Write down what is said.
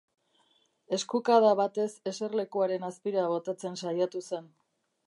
Eskukada batez eserlekuaren azpira botatzen saiatu zen.